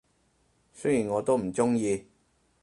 雖然我都唔鍾意